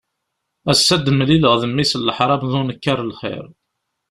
Ass-a ad d-mlileɣ d mmi-s n leḥṛam d unekkaṛ lxir.